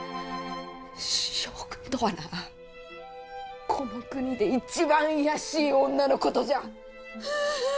将軍とはなこの国で一番卑しい女のことじゃ！